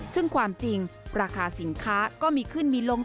ซึ่งความจริงราคาสินค้าก็มีขึ้นมีลง